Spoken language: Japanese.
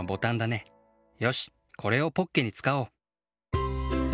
よしこれをポッケにつかおう。